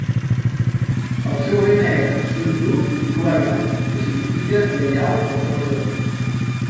El seu lema era "Surtout Loyal", que significa 'lleial per sobre de tot'.